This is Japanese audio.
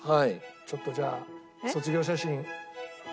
ちょっとじゃあ『卒業写真』。